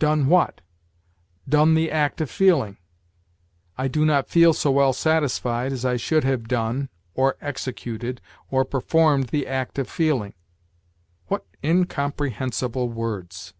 Done what? Done the act of feeling! 'I do not feel so well satisfied as I should have done, or executed, or performed the act of feeling'! What incomprehensible words!"